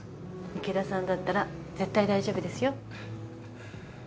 池田さんだったら絶対大丈夫ですよ。